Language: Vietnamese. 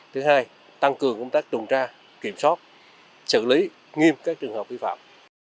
thứ hai tăng cường công tác trùng tra kiểm soát xử lý nghiêm các trường hợp bi phạm